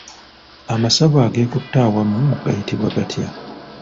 Amasavu ageekutte awamu gayitibwa gatya?